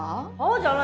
じゃない。